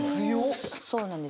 そうなんですよ。